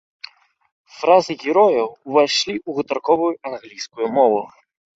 Фразы герояў ўвайшлі ў гутарковую англійскую мову.